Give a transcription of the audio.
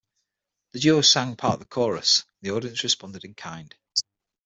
The duo sang part of the chorus, and the audience responded in kind.